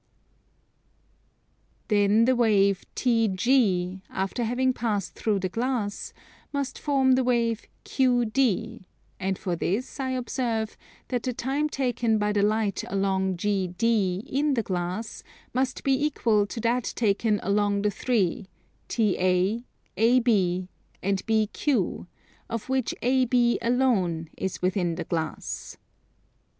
Then the wave TG, after having passed through the glass, must form the wave QD; and for this I observe that the time taken by the light along GD in the glass must be equal to that taken along the three, TA, AB, and BQ, of which AB alone is within the glass.